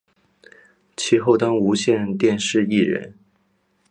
其后当无线电视艺人。